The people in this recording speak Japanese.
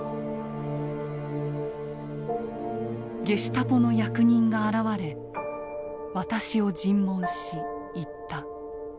「ゲシュタポの役人が現れ私を尋問し言った。